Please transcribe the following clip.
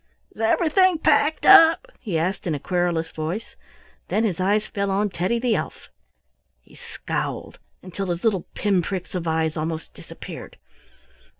"Is everything packed up?" he asked in a querulous voice. Then his eyes fell on Teddy the elf. He scowled until his little pin pricks of eyes almost disappeared.